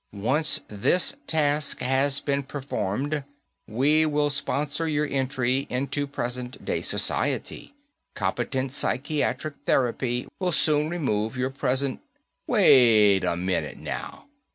Once this task has been performed, we will sponsor your entry into present day society. Competent psychiatric therapy will soon remove your present " "Waita minute, now.